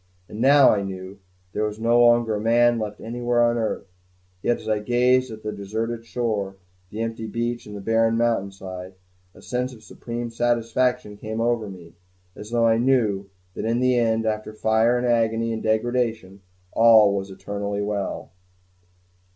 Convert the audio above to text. And now, I knew, there was no longer a man left anywhere on earth; yet as I gazed at the deserted shore, the empty beach and the bare mountainside, a sense of supreme satisfaction came over me, as though I knew that in the end, after fire and agony and degradation, all was eternally well.